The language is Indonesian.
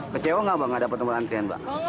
kecewa nggak mbak nggak dapat nomor antrean mbak